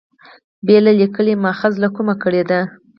بېله لیکلي مأخذه له کومه کړي دي.